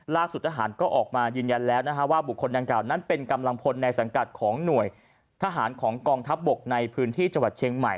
ทหารก็ออกมายืนยันแล้วนะฮะว่าบุคคลดังกล่าวนั้นเป็นกำลังพลในสังกัดของหน่วยทหารของกองทัพบกในพื้นที่จังหวัดเชียงใหม่